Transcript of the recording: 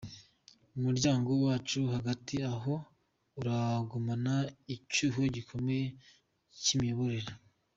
Umuryango wacu, hagati aho uragumana icyuho gikomeye cy’ imiyoborere.